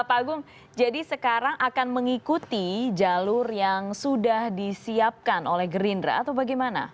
pak agung jadi sekarang akan mengikuti jalur yang sudah disiapkan oleh gerindra atau bagaimana